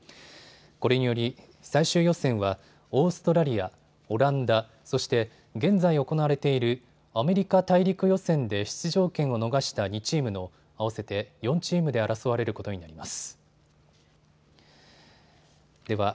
これにより最終予選はオーストラリア、オランダ、そして現在行われているアメリカ大陸予選で出場権を逃した２チームの合わせて４チームで争われることになります。